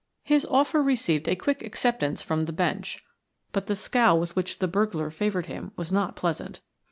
His offer received a quick acceptance from the Bench, but the scowl with which the burglar favored him was not pleasant.